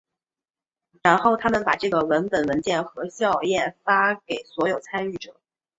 然后他们把这个文本文件和校验和发给所有参与者。